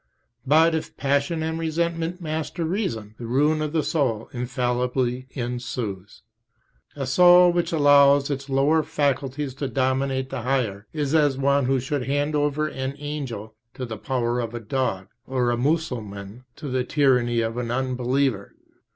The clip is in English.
But if passion and resentment master reason, the ruin of the soul infallibly ensues. A {p. 23} soul which allows its lower faculties to dominate the higher is as one who should hand over an angel to the power of a dog or a Mussalman to the tyranny of an unbeliever.